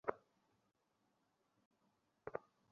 বয়সে ছোট হলেও আমাদের সম্পর্কটা একসময় দারুণ একটা বন্ধুত্বে রূপ নেয়।